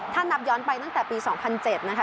ถ้านับย้อนไปตั้งแต่ปี๒๐๐๗นะคะ